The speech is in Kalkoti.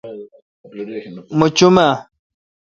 مہ چو م اہ؟